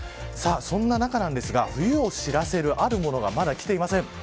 その中ですが、冬を知らせるあるものが、まだきていません。